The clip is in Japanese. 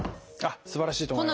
すばらしいと思います。